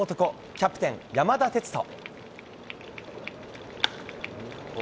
キャプテン山田哲人。